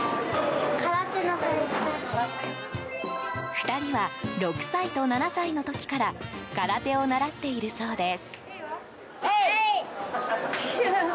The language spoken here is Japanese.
２人は、６歳と７歳の時から空手を習っているそうです。